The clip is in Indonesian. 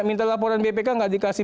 minta laporan bpk nggak dikasih